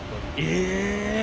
え！